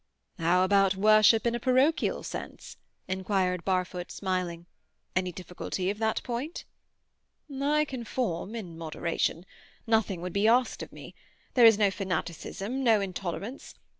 "How about worship in a parochial sense?" inquired Barfoot, smiling. "Any difficulty of that point?" "I conform, in moderation. Nothing would be asked of me. There is no fanaticism, no intolerance.